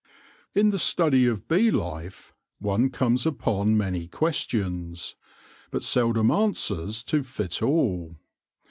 In the study of bee life one comes upon many questions, but seldom answers to fit all.